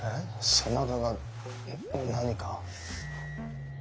背中が何か？